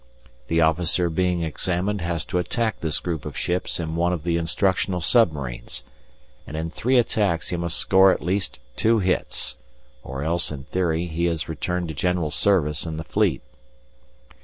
The officer being examined has to attack this group of ships in one of the instructional submarines, and in three attacks he must score at least two hits, or else, in theory, he is returned to general service in the Fleet.